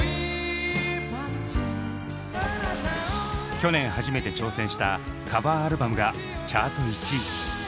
去年初めて挑戦したカバーアルバムがチャート１位。